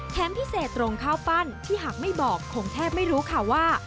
พิเศษตรงข้าวปั้นที่หากไม่บอกคงแทบไม่รู้ค่ะว่า